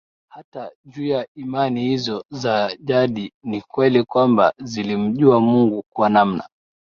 Hata juu ya imani hizo za jadi ni kweli kwamba zilimjua Mungu kwa namna